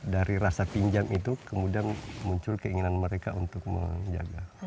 dari rasa pinjam itu kemudian muncul keinginan mereka untuk menjaga